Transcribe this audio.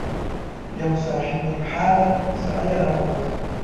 یو صاحب الحاله سړی یې راوغوښت.